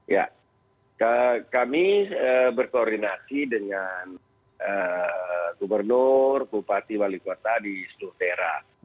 ya kami berkoordinasi dengan gubernur bupati wali kota di seluruh daerah